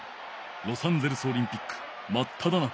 ロサンゼルスオリンピックまっただ中。